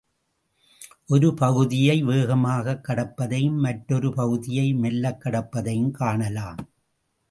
ஒரு பகுதியை வேகமாகக் கடப்பதையும் மற்றொரு பகுதியை மெல்லக் கடப்பதையும் காணலாம்.